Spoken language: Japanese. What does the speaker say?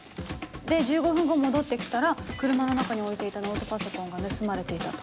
で１５分後戻って来たら車の中に置いていたノートパソコンが盗まれていたと。